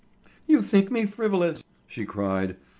"You think me frivolous," she cried.